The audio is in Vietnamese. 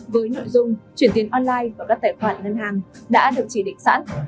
với nội dung chuyển tiền online vào các tài khoản ngân hàng đã được chỉ định sẵn